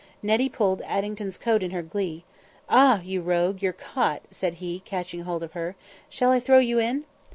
Nettie pulled Addington's coat in her glee. "Ah! you rogue, you're caught," said he, catching hold of her; "shall I throw you in?"